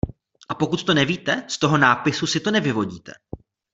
A pokud to nevíte, z toho nápisu si to nevyvodíte.